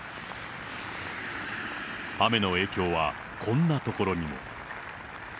雨の影響はこんな所にも。